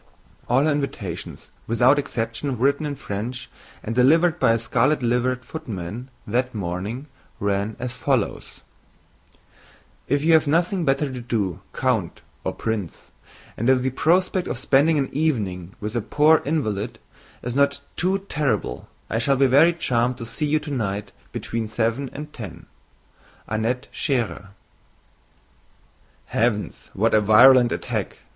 All her invitations without exception, written in French, and delivered by a scarlet liveried footman that morning, ran as follows: "If you have nothing better to do, Count (or Prince), and if the prospect of spending an evening with a poor invalid is not too terrible, I shall be very charmed to see you tonight between 7 and 10—Annette Schérer." "Heavens! what a virulent attack!"